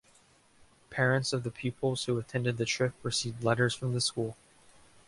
Parents of the pupils who attended the trip received letters from the school.